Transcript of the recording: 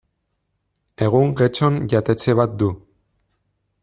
Egun Getxon jatetxe bat du.